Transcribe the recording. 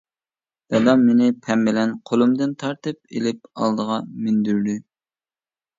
دادام مېنى پەم بىلەن قولۇمدىن تارتىپ ئېلىپ ئالدىغا مىندۈردى.